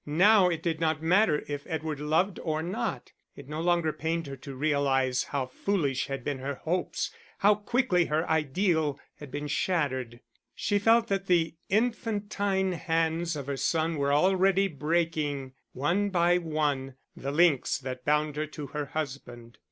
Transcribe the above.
Now it did not matter if Edward loved or not, it no longer pained her to realise how foolish had been her hopes, how quickly her ideal had been shattered. She felt that the infantine hands of her son were already breaking, one by one, the links that bound her to her husband.